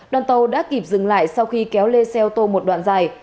đoàn tàu đã kịp dừng lại sau khi kéo lên xe ô tô một đoạn dài